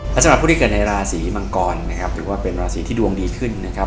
และสำหรับผู้ที่เกิดในราศีมังกรนะครับถือว่าเป็นราศีที่ดวงดีขึ้นนะครับ